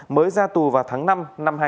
mới ra tù vào tháng năm năm hai nghìn hai mươi